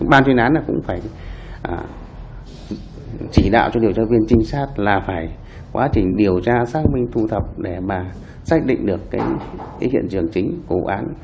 ban chuyên án cũng phải chỉ đạo cho điều tra viên trinh sát là phải quá trình điều tra xác minh thu thập để mà xác định được cái hiện trường chính của vụ án